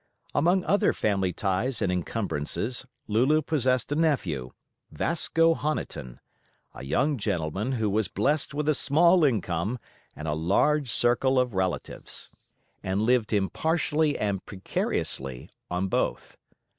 Among other family ties and encumbrances, Lulu possessed a nephew, Vasco Honiton, a young gentleman who was blessed with a small income and a large circle of relatives, and lived impartially and precariously on both.